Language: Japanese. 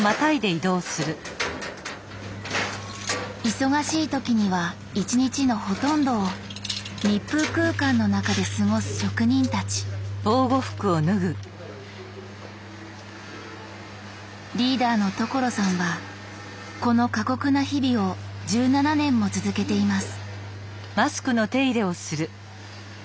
忙しい時には一日のほとんどを密封空間の中で過ごす職人たちリーダーの所さんはこの過酷な日々を１７年も続けています